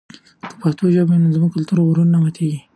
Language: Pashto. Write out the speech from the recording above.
که پښتو ژبه وي نو زموږ کلتوري غرور نه ماتېږي.